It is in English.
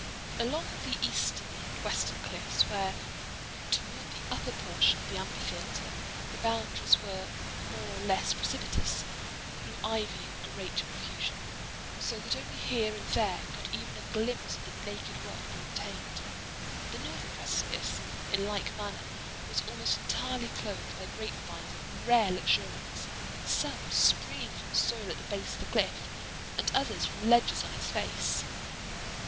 Along the eastern and western cliffs—where, toward the upper portion of the amphitheatre, the boundaries were more or less precipitous—grew ivy in great profusion—so that only here and there could even a glimpse of the naked rock be obtained. The northern precipice, in like manner, was almost entirely clothed by grape vines of rare luxuriance; some springing from the soil at the base of the cliff, and others from ledges on its face.